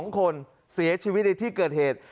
๒คนเสียชีวิตในที่เกิดเหตุ